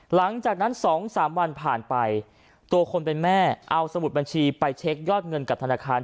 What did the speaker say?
หลังจากนั้น๒๓วันผ่านไปตัวคนเป็นแม่เอาสมุดบัญชีไปเช็คยอดเงินกับธนาคาร